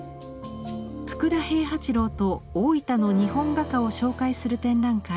福田平八郎と大分の日本画家を紹介する展覧会。